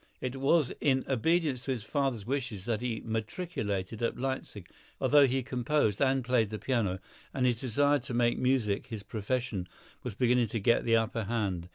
It was in obedience to his father's wishes that he matriculated at Leipsic, although he composed and played the piano, and his desire to make music his profession was beginning to get the upper hand.